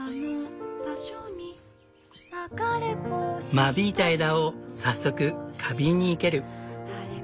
間引いた枝を早速花瓶に生ける。